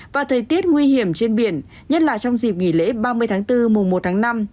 và thời tiết nguy hiểm trên biển nhất là trong dịp nghỉ lễ ba mươi tháng bốn mùa một tháng năm